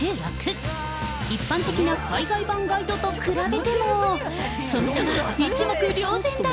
一般的な海外版ガイドと比べても、その差は一目りょう然だ。